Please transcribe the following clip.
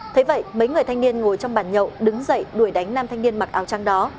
thế vậy mấy người thanh niên ngồi trong bàn nhậu đứng dậy đuổi đánh nam thanh niên mặc áo trắng đó